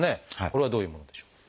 これはどういうものでしょう？